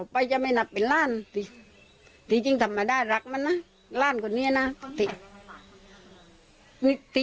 ไปจะไม่นับเป็นล่านจริงธรรมดาลักมานะล่านที่นี้